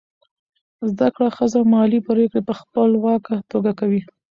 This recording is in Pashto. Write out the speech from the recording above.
زده کړه ښځه مالي پریکړې په خپلواکه توګه کوي.